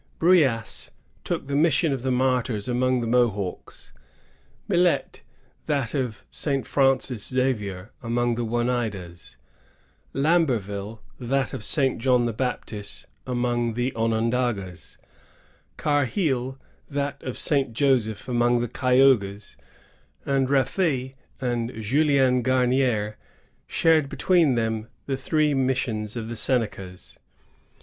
Bruyas took the Mission of the Martyrs among the Mohawks; Milet, that of Saint Francis Xavier, among the Oneidas; Lamberville, that of Saint John the Baptist among the Onondagas; Carheil, that of Saint Joseph among the Cayugas; and Raffeix and Julien Gramier shared between them the three missions of the Senecas.